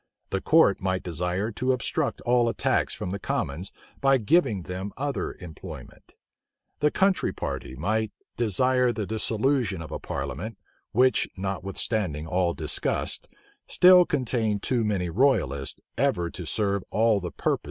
The court might desire to obstruct all attacks from the commons, by giving them other employment. The country party might desire the dissolution of a parliament, which, notwithstanding all disgusts, still contained too many royalists ever to serve all the purposes of the malecontents.